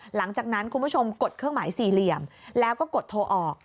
หลังจากนั้นคุณผู้ชมกดเครื่องหมายสี่เหลี่ยมแล้วก็กดโทรออก